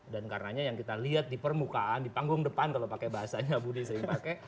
dan karenanya yang kita lihat di permukaan di panggung depan kalau pakai bahasanya budi sering pakai